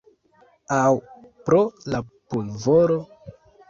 Aŭ pro la pulvoro?